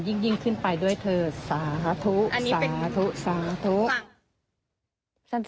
ยิ่งขึ้นไปด้วยเธอสาธุสาธุสาธุ